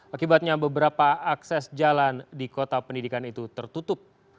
akibatnya beberapa akses jalan di kota pendidikan itu tertutup